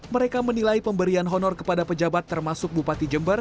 mereka menilai pemberian honor kepada pejabat termasuk bupati jember